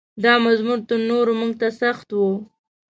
دا مضمون تر نورو موږ ته سخت و.